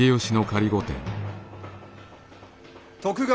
徳川